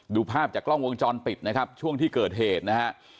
ดูภาพจากกล้องวงจรปิดนะครับช่วงที่เกิดเหตุนะฮะ